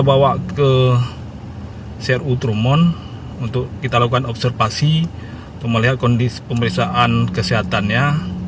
kita bawa ke seru trumon untuk kita lakukan observasi untuk melihat kondisi pemeriksaan kesehatannya